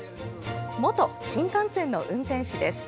元新幹線の運転士です。